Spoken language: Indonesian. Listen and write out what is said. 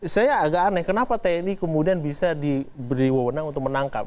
saya agak aneh kenapa tni kemudian bisa diberi wawonan untuk menangkap